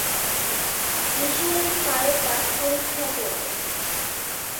নিসার আলি পায়ের দাগ পরীক্ষা করলেন।